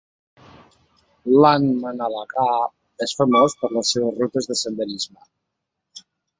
Landmannalaugar és famós per les seves rutes de senderisme.